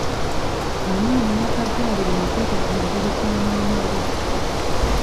Omwana eyakazaalibwa muteeke ku mubiri gwa maama we.